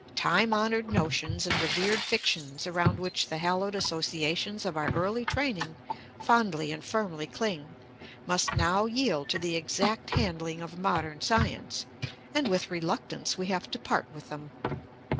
Time honoured notions and revered fictions, around which the hallowed associations of our early training fondly and firmly cling, must now yield to the exact handling of modern science; and with reluctance we have to part with them.